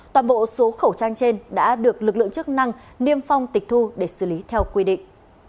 toàn bộ số khẩu trang trên đã được lực lượng chức năng niêm phong tịch thu để xử lý theo quy định